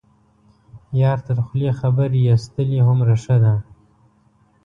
یار تر خولې خبر یستلی هومره ښه ده.